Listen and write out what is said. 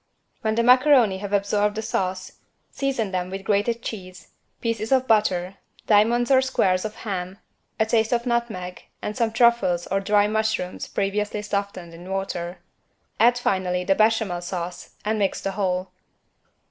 When the macaroni have absorbed the sauce, season them with grated cheese, pieces of butter, diamonds or squares of ham, a taste of nutmeg and some truffles or dry mushrooms previously softened in water. Add finally the Béchamel sauce and mix the whole.